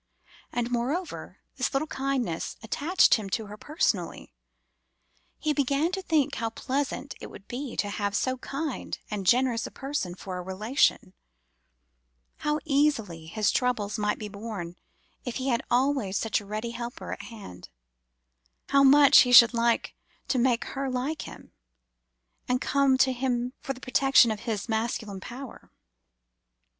And, moreover, this little kindness attached him to her personally. He began to think how pleasant it would be to have so kind and generous a person for a relation; how easily his troubles might be borne if he had always such a ready helper at hand; how much he should like to make her like him, and come to him for the protection of his masculine power!